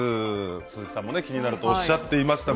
鈴木さんも気になるとおっしゃっていました